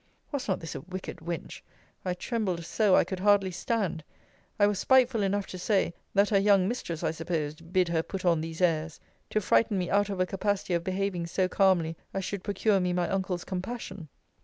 Was not this a wicked wench? I trembled so, I could hardly stand. I was spiteful enough to say, that her young mistress, I supposed, bid her put on these airs, to frighten me out of a capacity of behaving so calmly as should procure me my uncles' compassion.